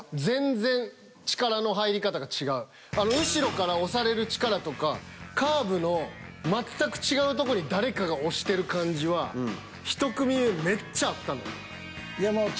後ろから押される力とかカーブの全く違うとこに誰かが押してる感じは１組目めっちゃあったの。